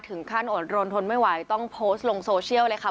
ถึงขั้นโหลนทนไม่ไหวต้องโพสต์ลงโซเชียลเลยค่ะ